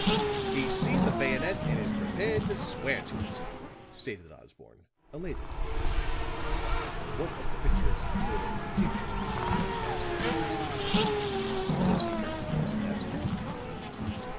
"He's seen the bayonet and is prepared to swear to it," stated Osborne, elated. "What of the picture of Spatola in the paper?" asked the investigator. "Does he recognize that?"